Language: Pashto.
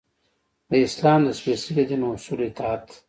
د اسلام د سپیڅلي دین اصولو اطاعت.